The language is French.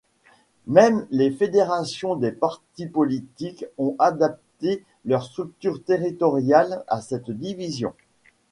Même les fédérations des partis politiques ont adapté leur structure territoriale à cette division.